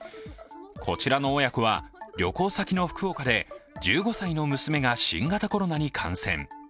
こちらの親子は、旅行先の福岡で１５歳の娘が新型コロナに感染。